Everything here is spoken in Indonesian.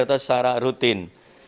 atau secara rutin